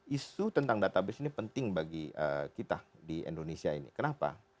isu tentang database ini penting bagi kita di indonesia ini kenapa